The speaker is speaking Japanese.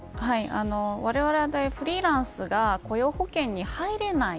われわれフリーランスが雇用保険に入れない。